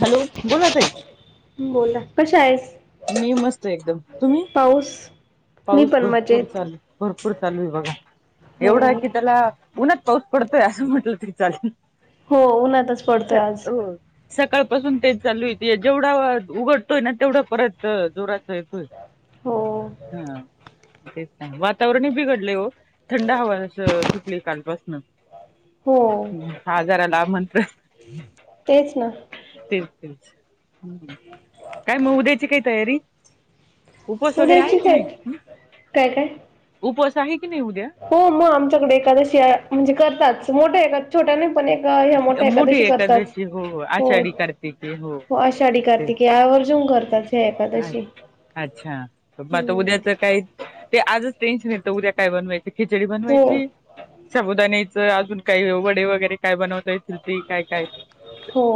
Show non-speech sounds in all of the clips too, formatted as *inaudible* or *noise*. Hello, बोला ताई. बोला, कशा आहेस? मी मस्त एकदम, तुम्हीं? पाऊस मी पाऊस पण भरपूर मजेत चालू, भरपूर चालू आहे बघा हो एवढाये की त्याला उन्हात पाऊस पडतोय असं म्हटलं तरी चालेल. हो उन्हातच पडतोय आज. सकाळ पासून तेच चालुय् जेवढा उघडतोय, ना तेवढा परत जोराचं येतोय. हो हा तेच ना वातावरणही बिघडलंय वो. थंड हवा अस सुटली कालपासनं. हो आजाराला आमंत्रण. तेच ना, तेच, तेच हं काय मग उद्याची काय तयारी. उपवास वगैरे आहे उद्याची की नाही सेट हं, काय काय उपवास आहे की नाही उद्या? हो मग आमच्याकडे एखादशी म्हणजे करतातच मोठ्या एका छोट्या नाही पण एक ह्या मोठ्या मोठी एकादशी करतात हो हो. आषाढी कार्तिकी हो आषाढी ते कार्तिकी आवर्जून करतात ह्या एकादशी. अच्छा, मग आता हम्म उद्याचं काय ते आजच टेन्शन येतं उद्या काय बनवायचं? खिचडी हो बनवायची, साबुदाण्याचं अजून काही वडे वगैरे. काय बनवता येतं ते काय -काय हो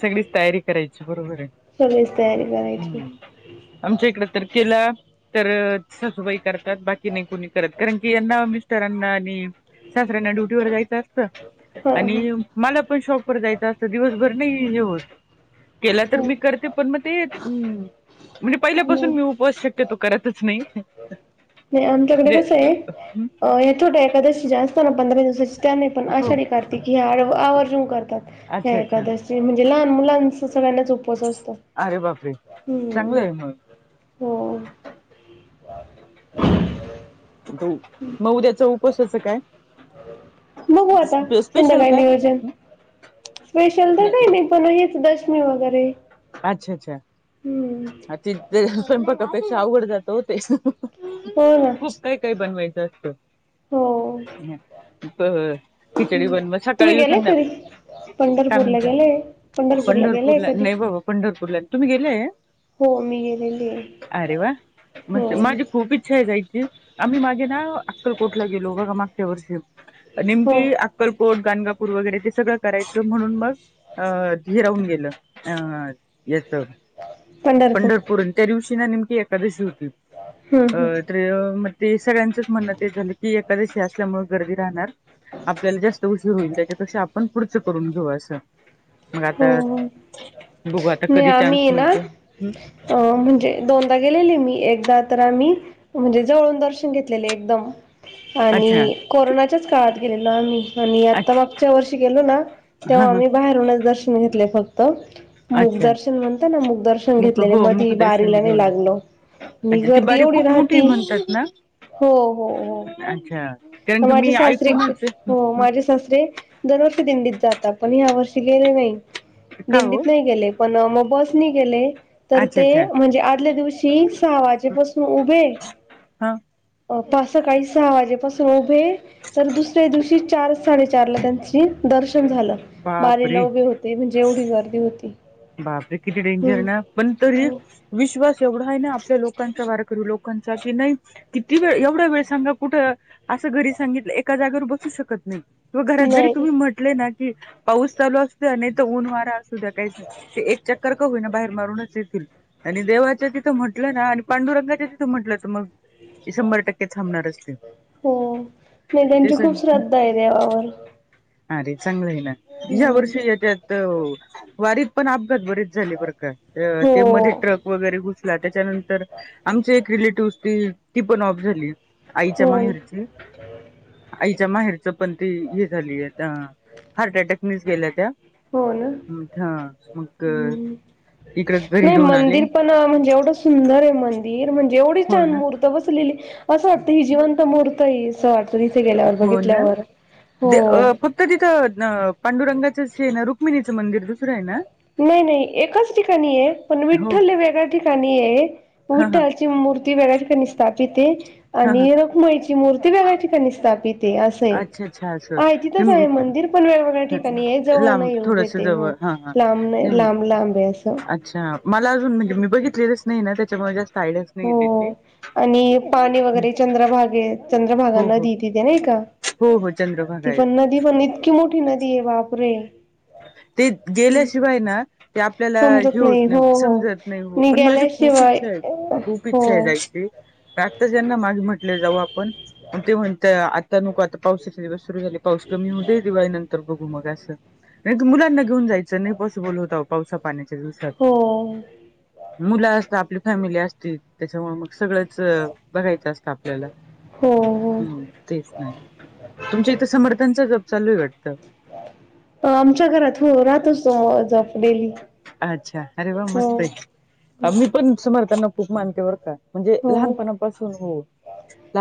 सगळीच तयारी करायची बरोबर आहे. सगळीच तयारी करायची. हम्म आमच्या इकडे तर केला तर सासूबाई करता, त बाकी नाही कोणी करत कारण की यांना आम् मिस्टरांना आणि सासऱ्यांना ड्युटीवर जायचं असतं हा आणि मला पण शॉपवर जायचं असतं दिवसभर नाही हे होत. केला तर हा मी करते पण मग ते म्हणजे पहिल्यापासून हा मी उपवास शक्यतो करतच नाही. नाही आमच्याकडे कसं आहे ह्या छोट्या एकादशी जास्त पंधरा दिवसा त्या नाही पण हो आषाढी -कार्तिकी ह्या आवर्जून करतात ह्या अच्छा अच्छा एकादस. नाही म्हणजे लहान मुलांच सगळ्यांनाच उपवास असतो अरे बापरे चांगलं हं... आहे मग हो.. हो म ऊद्याच उपवासाचं काय? बगू आता स्पेशल संध्याकाळी काय नियोजन स्पेशल तर काही नाही. पण हेच दशमी वगैरे अच्छा, हम्म अच्छा तेच स्वयंपाकापेक्षा अवघड जात हो तेच. होय, होय. खुप काय- काय बनवायचं असतं. बरं खिचडी बनवा मग तुम्ही सकाळी व गेले कधी संध्याकाळी. काय पंढरपूरला म्हणताय गेले गेलेय पंढरपूरला, कधी नाही बाबा पंढरपूरला तुम्हीं गेलय? हो मी गेलेली आहे अरे वा! हो म्हणते माझी खूप इच्छा आहे जायची. आम्हीं मागे ना, अक्कलकोटला गेलो बघा मागच्या वर्षी हो नेमकी आकलकोट, गानगापूर वगैरे ते सगळं करायचं म्हणून मग हे राहून गेलं अ याच पंढरपूर आणि त्या दिवशी ना नेमकी एकादशी होती हम्म हम्म अं तरी अ मग ते सगळ्यांच म्हणणं ते झालं की, एकादशी असल्यामुळे गर्दी राहणार आपल्याला जास्त उशीर होईल, त्याच्यापेक्षा आपण पुढचं करून घेऊ असं मग आता, हो हो बघू आता कधी चान्स मिळतोय, हूं. अं म्हणजे दोनदा गेलेले मी, एकदा तर आम्ही म्हणजे, जवळून दर्शन घेतलेलं एकदम आणि अच्छा कोरोनाच्याच काळात गेलेलो आम्ही, आणि आता अच्छा मागच्या वर्षी गेलो ना हा तेव्हा हा आम्ही बाहेरूनच दर्शन घेतले फक्त अच्छा मुग्दर्शन म्हणतं ना, मुखदर्शन मुक घेतलेले, हो मधी मुखदर्शन बारीला नाई घेऊन आले. लागलो. नी अच्छा ती गर्दी बारी एवढी खूप मोठी राहती, म्हणतात ना? हो हो हो अच्छा. कारण तर की मी माझे सासरे, ऐकूनच हो माझे सासरे दरवर्षी दिंडीत जातात, पण ह्या वर्षी गेले नई, का हो? दिंडीत नाई गेले पण मग बसने गेले. तर अच्छा ते अच्छा म्हणजे, आदल्या दिवशी सहा वाजेपासून उभे हा पार सकाळी सहा वाजेपसून उभे तर दुसऱ्या दिवशी चार साडेचारला त्यांची दर्शन झालं बारीला बापरे! उभे होते, म्हणजे एवढी गर्दी हुती. बापरे किती डेंजर ना, पण तरी विश्वास एवढा आहे ना आपल्या लोकांचा वारकरी लोक -कांचा की नई किती वेळ, एवढा वेळ सांगा कुठं असं घरी सांगितलं एका जागेवर बसू शकत नई किंवा घरात जरी नाही तुम्ही म्ह -टले ना की पाऊस चालू असू दया, नईतर ऊन वारा असू द्या काहीच नाही ते एक चक्कर का होईना बाहेर मारूनच येतील. आणि देवाच्या तिथं म्हटलं ना आणि पांडुरंगाच्या तिथं म्हटलं तर मग, शंभर टक्के थांबणारच ते. हो, नाई त्यांची तेच आहे खूप ना श्रद्धा ए देवावर अरे चांगलं ए ना, ह्या वर्षी हम्म त्याच्यात, वारीतपण अपघात बरेच झाले बर का? अं हो ते मध्ये ट्रक वगैरे घुसला. त्याच्यानंतर, आमची एक रिलेटिव्ह हुती, ती पण ऑफ झाली. आईच्या हो माहेरची, आईच्या माहेरचं, पण ती हे झालीये मिस गेल्या त्या हो नं, हा मग हुम्म्म. इकडे घरी नई घेऊन आले मंदिर पण, म्हणजे एवढं सु सुंदर ए मंदिर! म्हणजे एवढी हो छान ना मुर्त बसवलेली, असं वाटतं ही जिवंत मुर्त ए ही. असं वाटतं तिथे गेल्यावर, बघितल्यावर, हो. तर तिथं नं पांडुरंगाचंच हे ना, रुक्मिणीचं मंदिर दुसरं आहे ना नई नई एकाच ठिकाणी ए. पण हो विठ्ठल हे वेगळ्या ठिकाणी ए, हा हा विठ्ठलाची मूर्ती वेळ्या ठिकाणी स्थापित हे, हा हा आणि रखुमईची मूर्ती वेगळ्या ठिकाणी स्थापित ते असं ए. अच्छा अच्छा आहे तिथंच असं आहे मंदिर, पण वेगवेगळ्या ठिकाणी हे, जवळ लांब नाईये उभे थोडस ते, जवळ हो. हा हा लांब नाई, नाही लांब लांब ए असं अच्छा, मला अजून म्हणजे, मी बघितलेलंच नई ए ना त्याच्यामुळे जास्त आयडियाच हो, नाही त्याची आणि पाणी वगैरे, चंद्रभागेत. चंद्रभागा हो हो नदी ए तिथे नई का? हो हो, चंद्रभागा ती आहे. पण नदी पण इतकी मोठी नदी ए, बापरे! ते हम्म. गेल्याशिवाय ना ते आपल्याला हे समजत होत नाही हो नाई, हो समजत नाई. हो मी पण माझी खूप गेल्याशिवाय इच्छा आहे, खूप हो इच्छा आहे जायची मी आताच यांना मागे म्हंणले जाऊ आपण, ते म्हणले आता नको, पावसाचे दिवस सुरू झाले पाऊस कमी हो दे दिवाळी नंतर बघू मग असं. नाही मुलांना घेऊन जायचं नाही पॉसिबल होता पावसा पाण्याच्या दिवसात.? हो मुलं असतात आपली फॅमिली असतील त्याच्यामुळे मग सगळं. बघायचं? हो हो हम् तेच नाही तुमच्या इथं समर्थांचा जब चालू आहे वाटतं. आमच्या घरात हो राहत असतो जप डेली अच्छा अरे वा हो मस्त आहे मी पण समर त्यांना खूप मानतेवर का म्हणजे हो लहानपणापासून हो.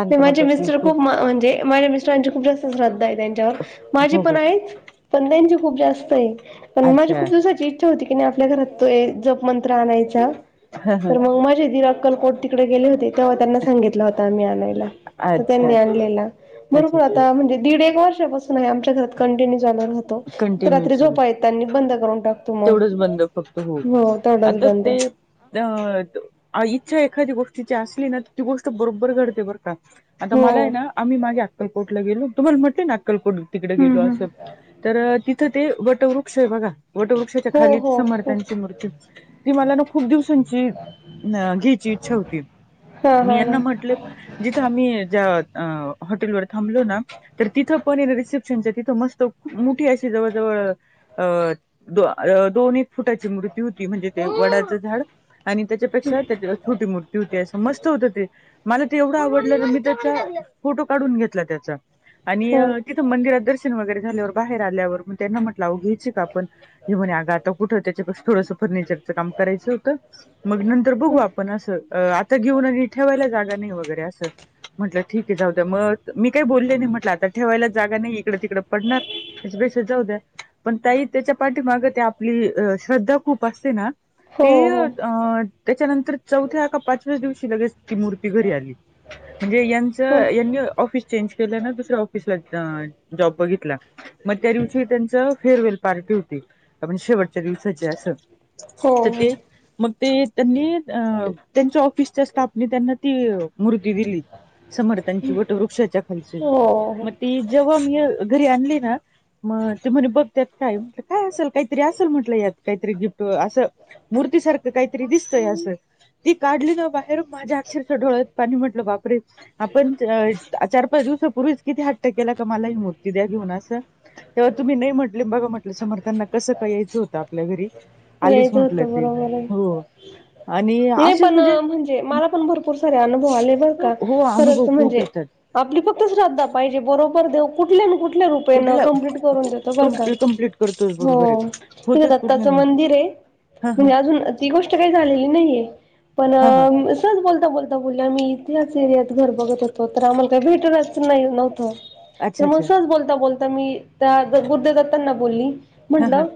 ते माझे मिस्टर खूप म्हणजे माझ्या मिस्टरांची खूप जास्त श्रद्धा आहे त्यांच्यावर, माझे हो पण हो आहेत.? पण त्यांची खूप जास्त आहे. पण माझी अच्छा खूप दिवसाची इच्छा होती की आपल्या घरात तो मंत्र आणायचा तर मग माझे दि अकलकोट तिकडे गेले होते तेव्हा त्यांना सांगितला होता आम्ही आणायला तर अच्छा अच्छा त्यांनी आणलेला भरोपूर अच्छा आता म्हणजे दीड एक वर्षापासून. आमच्या घरात कंटिन्यू चालू राहतो कंटिन्यू रात्री चालू झोपा येत बंद करून टाकत. तेवढंच बंद करतो हो आता बंद ते. अ इच्छा एखादी्या गोष्टीची असली ना ती गोष्ट बरोबर घडते बरं का आता हो मला आहे ना आम्ही मागे अक्कलकोटला गेलो तुम्हाला म्हटलं ना अक्कलकोट तिकडे गेलो हम्म हम्म असं. तर तिथं ते वटवृक्ष आहे बघा वटवृक्षाच्या हो खाली हो हो समर्थांची मूर्ती ती मला ना खूप दिवसांची आ घ्यायची इच्छा होती.? हा मी हा हा यांना म्हटले जिथं आम्ही ज्या हॉटेलवर थांबलो ना तर तिथं पण रिसेप्शनच्या तिथं मस्त मोठी अशी जवळजवळ अ दोन एक फुटाची मूर्ती होती म्हणजे ते वडाचं झाड आणि त्याच्यापेक्षा त्याच्या छोटी मर्ती होती असं मस्त होत ते. मला ते एवढं आवडलं तर मी त्याचा फोटो काढून घेतला त्याचा आणि हो तिथं मंदिरात दर्शन वगैरे झाल्यावर बाहेर आल्यावर मग त्यांना म्हटलं घ्यायचे का ण ते म्हणे अग आता कुठ ते थोडस फर्निचरच काम करायचं होतं मग नंतर बघू आपण असं. आता घेऊन आग ठेवायला जागा नाही वगैरे असं. म्हटलं ठीक आहे जाऊ द्या मग मी काही बोलले नाही म्हटलं आता ठेवायला जागा नाही इकडं तिकडं पडणार. बेस जाऊद्या पण तही त्याच्या पाठीमाग ते आपली श्रद्धा खूप असते ना हो ते हो त्याच्यानंतर चौथ्या का पाचव्या दिवशी लगेच ती मुर्ती घरी आली म्हणजे हो यांचं यांनी ऑफिस चेंज केले ना ऑफिस जॉब बघितला मग त्या दिवशी त्यांच फेअरवेल पार्टी होतीण शेवच्या दिवसाचे अस हो तर ते मग ते त्यांनी त्यांच्या ऑफिसच्या स्थापने त्यांना ती मुूर्ती दिली. समर्थांची वटवृक्षाच्या खालचे हो म ती जेव्हा मी घरी आणली ना मग ते म्हणे बघ त्यात काय म्हट काय असेल काहीतरी असेल म्हटलं यात काहीतरी गिफ्ट असं. मूर्तीसारखं काहीतरी दिसतय असं.? ती काढली ना बाहेर माझ्या अक्षरचं डोळ्यात पाणी म्हटलं बापरे, आपण चार पाच दिवसापूर्वीच किती हट्ट केला कामाला ही मूर्ती द्या घेऊन असं. तेव्हा तुम्ही नाही म्हटले बघा म्हटलं समर्थांना कसं काय यायचं होतं आपल्या घरी आलीच यायचं म्हटलं होतं ते बरोबर आहे. हो.? आणि नाही असेच पण म्हणजे मला पण भरपूर सारे अनुभव आले बर का हो अनुभव खरंच खूप म्हणजे.? येतात आपली फक्त श्रद्धा पाहिजे, बरोबर? देव कुठल्या न कुठल्या रूपात... कुठला कम्प्लीट करून देतो बर का? कंप् कंप्लीट करतोच हो, बरोबर आहे इथं होतच कुठल्या दत्ताचं मंदिर आहे. हा हा म्हणजे अजून ती गोष्ट काही झालेली नाहीये पण... हा हा सहज बोलता बोलता बोलले, आम्ही त्याच एरियात घर बघत होतो, तर आम्हाला काही भेटणारच नाही नव्हतं. तर अच्छा मग, अच्छा सहज बोलता बोलता, मी त्या गुरुदेव दत्तांना बोलली, हा हा म्हटलं...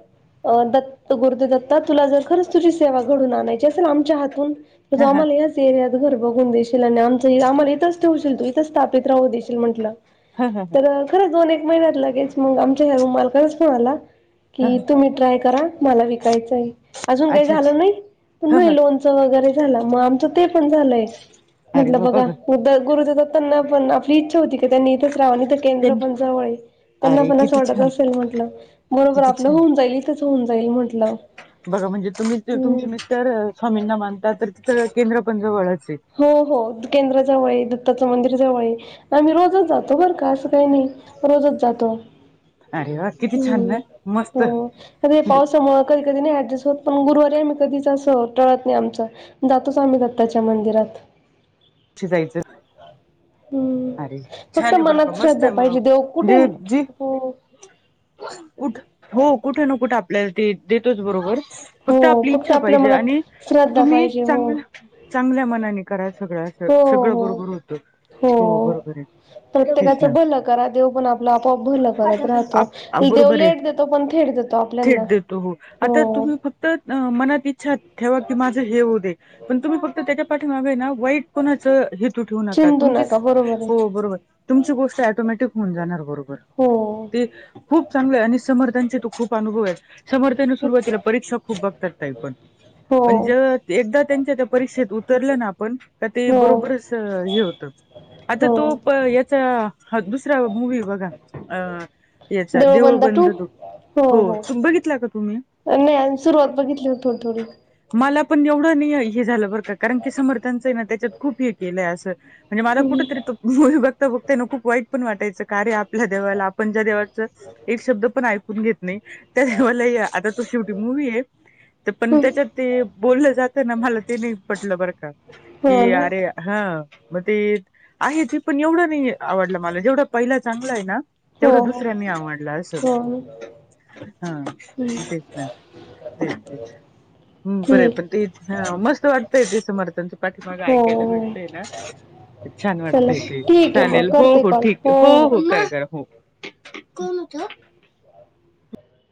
अ, दत्त गुरुदेव दत्ता, तुला जर खरंच तुझी सेवा घडून आणायची असेल आमच्या हातून... तू जर हा हा आम्हाला याच एरियात घर बघून देशील, आणि आमचं आम्हाला इथंच ठेवशील, तू इथंच स्थापित... राहू देशील, म्हटलं हा हा हा तर... खरं, दोन एक महिन्यात लगेच मग आमच्या रूम मालकाचाच फोन आला. कि हा तुम्ही ट्राय करा मला विकायचं अजून काही अच्छा अच्छा झालं नाही पण हा मग हा लोनच वगैरे झाला मग आमचं ते पण झालंय अरे म्हटलं वा बघा गुरुदेव दत्तांना पण आपली इच्छा होती की, त्यांनी इथंच राहावं. केंद्र त्यांनी पण जवळ आहे. त्यांना अरे पण आसं किती वाटत छान असेलं म्हटलं बरोबर किती आपलं छान होऊन जाईल. होऊन जाईल म्हटलं. बघा म्हणजे तुम्हीचं हम्म तुमचे मिस्टर स्वामींना मानतात तर तिथं केंद्र पण जवळचे हो-हो केंद्र जवळ आहे. दत्ताचं मंदिर जवळ आहे. आम्ही रोजचं जातो बरं का असं काही नाही रोजचं जातो. अरे वा किती छान हं ना मस्त हो आता हे पाऊसामुळं कधी- कधी नाही ऍडजस्ट होत पण, गुरुवारी आम्ही कधीच असं टळत नाही. आमचं जातोचं आम्ही दत्ताच्या मंदिरात. शीजायचं हम्म अरे छानं फक्त आहे. बरं का मनात मस्तं श्रद्धा आहे. मं पाहिजे देव कुठे म्हणजे जी हो कुठं हो कुठे, ना कुठे आपल्याला ते देतोच बरोबर हो फक्त आपली इच्छा आपल्या पाहिजे, मनात आणि श्रद्धा तुम्ही पाहिजे हो चांगलं चांगल्या मनाने करा. सगळं असं हो सगळं हो बरोबर होतं. हो बरोबर आहे. तेच प्रत्येकाचं भलं करा. देव पण आपलं आपोआप भलं करत ना राहतो. देव बरोबर आहे लेट देतो पण थेट देतो. आपल्याना थेट देतो हो आता हो तुम्ही फक्त तर मनात इच्छा ठेवा की, माझं हे होऊदे पण तुम्ही, फक्त त्याच्या पाठीमागे ना वाईट कोणाचं हेतू ठेवू नका. चिंतू तुमची बरोबर आहे हो. बरोबर तुमची गोष्ट ॲटोमॅटिक होऊन जाणार बरोबर हो ते खूप चांगलं आहे. आणि समर्थांचे तू खूप अनुभव आहे. समर्थने सुरुवातीला परीक्षा खूप बघतात. ताई पण हो म्हणजे एकदा त्यांच्या त्या परीक्षेत उतरलं ना आपण का ते हो बरोबरचं हे होतं. आता हो तो प याचा दुसरा मूव्ही बघा. अ याचं देऊळ बंद तो हो-हो हो बघितला का तुम्ही नाही. आणि सुरुवात बघितली थोडी-थोडी मला पण एवढं नाही, हे झालं बरं का कारण, की समर्थांचं आहे. ना त्याच्यात खूप हे केलं. म्हणजे, मला हम्म. कुठं *unintelligible* खूप वाईट पण वाटायचं. कारे आप आपल्या देवाला आपण, ज्या देवाचं एक शब्द पण ऐकून घेत नाही. त्या मला आता तो शेवटी मूव्ही आहे. पण हम्म. त्याच्यात ते बोललं जातं ना मला ते नाही पट पटतं बरं का, हो की ना आरे हां मग ते आहे ते पण एवढं नाही आवडलं मला जेवढा पहिला चांगला आहे ना. हो तेवढं हो दुसरा नाही आवडला हो ना असं हा हम्म. तेच ना तेच तेच बरं आहे ठीक पण ते. हा मस्त वाटतय ते. समर्थांच पाठीमाग हो ऐकायला भेटतेय हो ना. छान चला वाटतय ते. ठीक आहे मग चालेल हो करते हो कॉल ठीक हो, हो करा करा फोन. कोन होत. *unintelligible*